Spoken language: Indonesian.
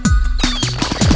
gak ada yang nungguin